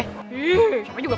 ih siapa juga mau